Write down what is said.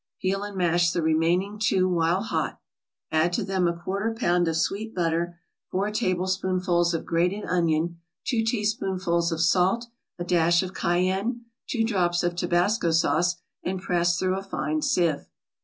Peel and mash the remaining two while hot; add to them a quarter pound of sweet butter, four tablespoonfuls of grated onion, two teaspoonfuls of salt, a dash of cayenne, two drops of Tabasco sauce, and press through a fine sieve.